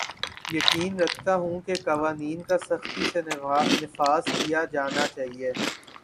یقین رکھتا ہوں کہ قوانین کا سختی سے نفاذ کیا جانا چاھیے